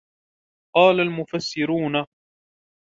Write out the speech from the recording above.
قَالَ الْمُفَسِّرُونَ